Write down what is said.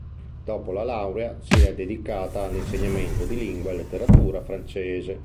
Dopo la laurea si è dedicata all'insegnamento di lingua e letteratura francese.